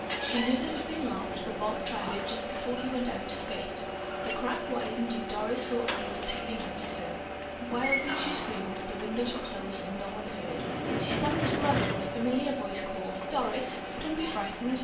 She knew that it had been locked, for Bob tried it just before he went out to skate. The crack widened and Doris saw eyes peering out at her. Wildly she screamed, but the windows were closed and no one heard. She started to run, when a familiar voice called, "Doris, don't be frightened.